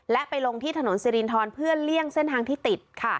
และไปลงที่ถนนสิรินทรเพื่อเลี่ยงเส้นทางที่ติด